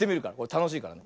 たのしいからね。